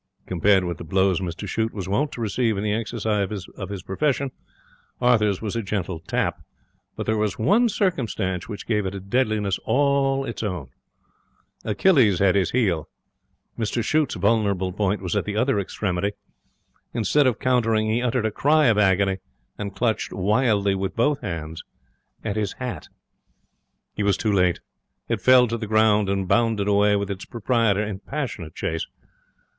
Compared with the blows Mr Shute was wont to receive in the exercise of his profession, Arthur's was a gentle tap. But there was one circumstance which gave it a deadliness all its own. Achilles had his heel. Mr Shute's vulnerable point was at the other extremity. Instead of countering, he uttered a cry of agony, and clutched wildly with both hands at his hat. He was too late. It fell to the ground and bounded away, with its proprietor in passionate chase.